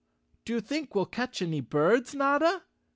"Do /ou think we'll catch any birds, Notta?"